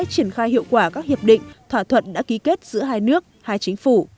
triển khai hiệu quả các hiệp định thỏa thuận đã ký kết giữa hai nước hai chính phủ